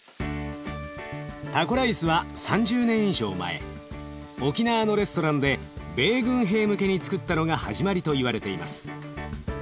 タコライスは３０年以上前沖縄のレストランで米軍兵向けにつくったのが始まりといわれています。